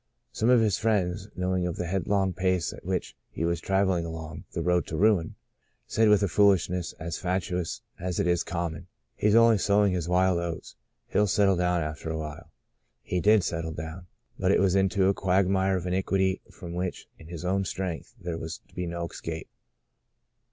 Some of his friends, knowing of the headlong pace at which he was travelling along the road to ruin, said with a foolishness as fatuous as it is common —He's only sowing his wild oats. He'll settle down after a while." He did settle down ; but it was into a quagmire of iniquity from which, in his own strength, there was to be no escape.